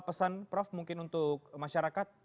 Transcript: pesan prof mungkin untuk masyarakat